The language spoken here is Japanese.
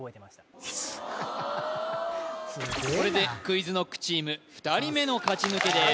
すごいハッハッハこれでＱｕｉｚＫｎｏｃｋチーム２人目の勝ち抜けです